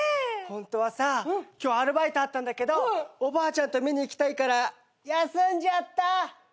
ホントはさ今日アルバイトあったんだけどおばあちゃんと見に行きたいから休んじゃった！